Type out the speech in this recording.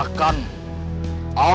bahkan regres tersebut